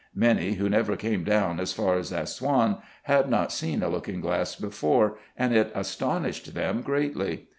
Many, who never came down as far as Assouan, had not seen a looking glass before, and it astonished them greatly.